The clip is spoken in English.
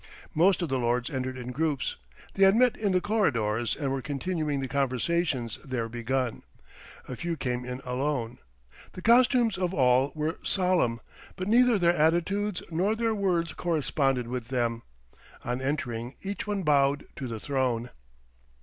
Most of the lords entered in groups. They had met in the corridors, and were continuing the conversations there begun. A few came in alone. The costumes of all were solemn; but neither their attitudes nor their words corresponded with them. On entering, each one bowed to the throne.